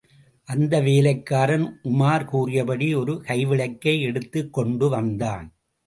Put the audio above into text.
அந்த வேலைக்காரன், உமார் கூறியபடி ஒரு கைவிளக்கை எடுத்துக் கொண்டு வந்தான்.